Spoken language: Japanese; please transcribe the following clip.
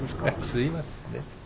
すいませんね。